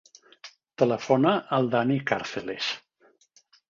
Telefona al Dani Carceles.